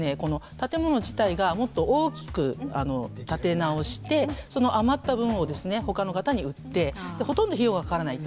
建物自体がもっと大きく建て直してその余った分をですねほかの方に売ってほとんど費用がかからないと。